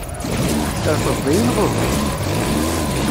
Trefdeḍ-iyi neɣ uhu?